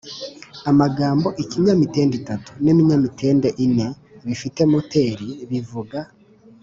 Amagambo ikinyamitende itatu n ikinyamitende ine bifite moteri bivuga